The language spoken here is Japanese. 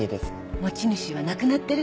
持ち主は亡くなってるわ。